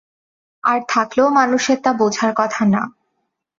আর থাকলেও মানুষের তা বোঝার কথা না।